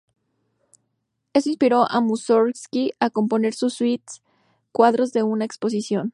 Esto inspiró a Músorgski a componer su suite "Cuadros de una exposición".